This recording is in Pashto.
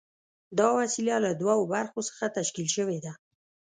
دا وسیله له دوو برخو څخه تشکیل شوې ده.